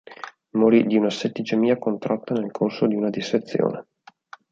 Morì di una setticemia contratta nel corso di una dissezione.